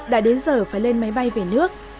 đã đến giờ phải lên máy bay về nước